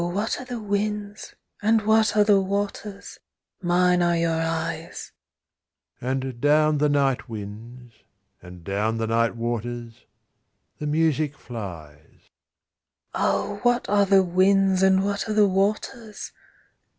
what are the winds ? And what are the waters ? Mine are your eyes ! And down the night winds, And down the night waters, The music flies : Oh ! what are the ivinds ? And what are the waters